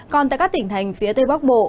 còn tại các tỉnh thành phía tây bắc bộ